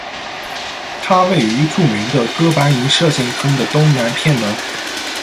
它位于著名的哥白尼射线坑的东南偏南。